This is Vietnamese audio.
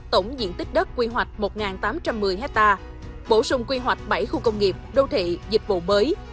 tổng diện tích đất quy hoạch một tám trăm một mươi hectare bổ sung quy hoạch bảy khu công nghiệp đô thị dịch vụ mới